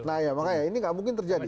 nah ya makanya ini nggak mungkin terjadi